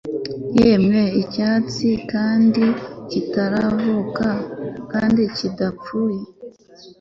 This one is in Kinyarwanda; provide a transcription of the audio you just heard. yemwe icyatsi kandi kitaravuka kandi kidapfuye